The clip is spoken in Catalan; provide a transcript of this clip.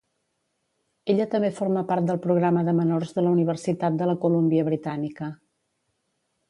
Ella també forma part del programa de menors de la Universitat de la Colúmbia Britànica.